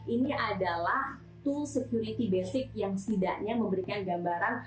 ini adalah tool security basic yang setidaknya memberikan gambaran